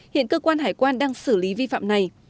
hiện cơ quan hải quan đang xử lý vi phạm này